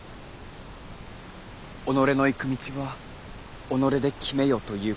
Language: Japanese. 己の行く道は己で決めよということか。